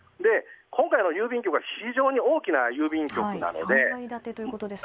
今回の郵便局は非常に大きな郵便局なので。